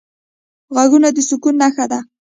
غوږونه د سکون نښه ده